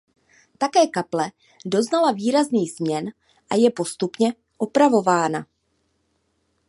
Také kaple doznala výrazných změn a je postupně opravována.